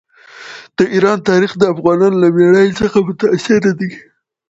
د ایران تاریخ د افغانانو له مېړانې څخه متاثره دی.